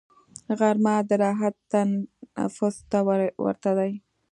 غرمه د راحت تنفس ته ورته ده